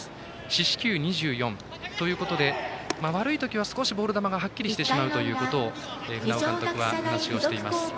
四死球２４ということで悪いときは少しボール球がはっきりしてしまうと監督は話をしています。